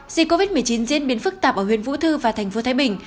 dịch covid một mươi chín diễn biến phức tạp ở huyện vũ thư và thành phố thái bình